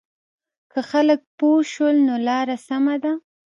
که خلک پوه شول نو لاره سمه ده.